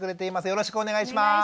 よろしくお願いします。